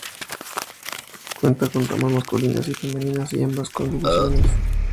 Cuenta con ramas masculinas y femeninas y ambas con dos divisiones.